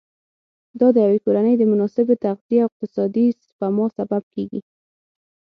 دا د یوې کورنۍ د مناسبې تغذیې او اقتصادي سپما سبب کېږي.